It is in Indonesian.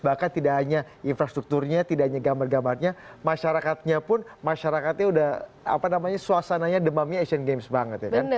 bahkan tidak hanya infrastrukturnya tidak hanya gambar gambarnya masyarakatnya pun masyarakatnya udah apa namanya suasananya demamnya asian games banget ya kan